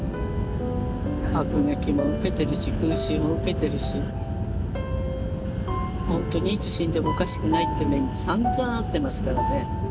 爆撃も受けてるし空襲も受けてるし本当にいつ死んでもおかしくないって目にさんざん遭ってますからね。